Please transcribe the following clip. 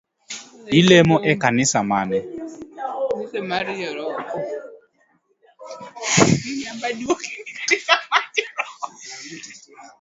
Ilemo e kanisa mane?